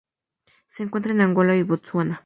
Se encuentra en Angola y Botsuana.